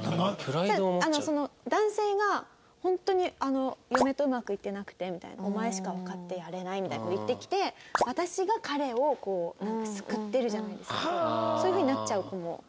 男性が本当にあの「嫁とうまくいってなくて」みたいな「お前しかわかってくれない」みたいな事言ってきて私が彼を救ってるじゃないですけどそういう風になっちゃう子も。